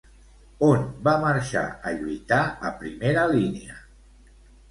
On va marxar a lluitar a primera línia?